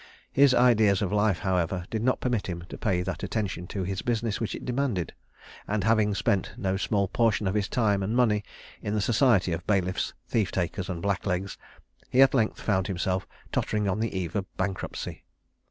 His ideas of life, however, did not permit him to pay that attention to his business which it demanded; and having spent no small portion of his time and money in the society of bailiffs, thief takers, and blacklegs, he at length found himself tottering on the eve of bankruptcy.